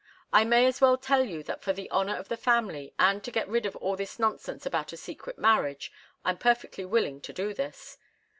I may as well tell you that for the honour of the family and to get rid of all this nonsense about a secret marriage I'm perfectly willing to do this.